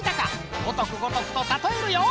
ごとくごとくとたとえるよ！